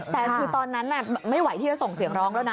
แต่คือตอนนั้นไม่ไหวที่จะส่งเสียงร้องแล้วนะ